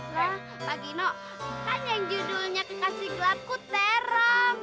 pak gino kan yang judulnya kekasih gelapku terong